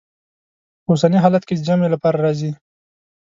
په اوسني حالت کې د جمع لپاره راځي.